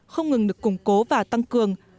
không ngừng được củng cố và tăng cường